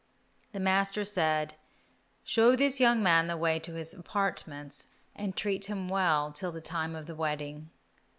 The master said, "Show this young man the way to his apartments and treat him well till the time of the wedding."